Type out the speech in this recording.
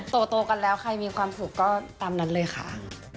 โตกันแล้วใครมีความสุขก็ตามนั้นเลยค่ะ